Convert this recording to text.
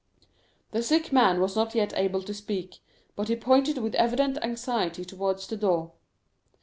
The sick man was not yet able to speak, but he pointed with evident anxiety towards the door.